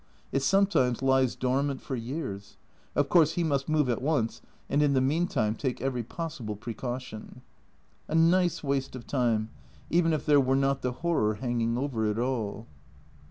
It sometimes lies dormant for years. Of course, he must move at once, and in the meantime take every possible precaution. A nice waste of time, even if there were not the horror hang ing over it all